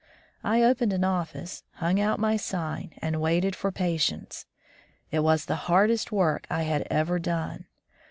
I opened an office, hung out my sign, and waited for patients. It was the hardest work I had ever done!